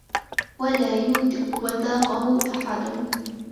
وَلَا يُوثِقُ وَثَاقَهُ أَحَدٌ